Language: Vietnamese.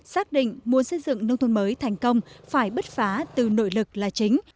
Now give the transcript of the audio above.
xác định muốn xây dựng nông thôn mới thành công phải bứt phá từ nội lực là chính